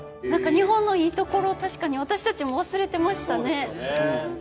日本のいいところを確かに私たちも忘れてましたね。